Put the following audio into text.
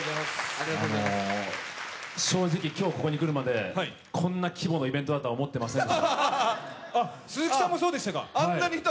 正直、今日ここに来るまでこんな規模のイベントだとは鈴木さんもそうでしたか！